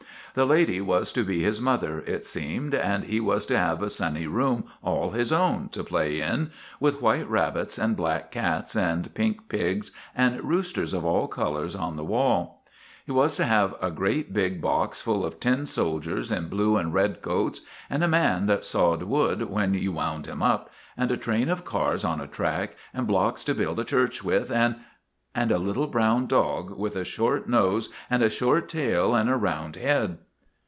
The lady was to be his mother, it seemed, and he was to have a sunny room all his own to play in, with white rabbits and black cats and pink pigs and roosters of all colors on the wall. He was to have a great, big box full of tin soldiers in blue and red coats, and a man that sawed wood when you wound him up, and a train of cars on a track, and blocks to build a church with, and and a little brown dog with a short nose and a short tail and a round head.